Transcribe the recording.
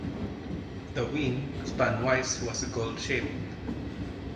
The wing, spanwise, was "gull" shaped.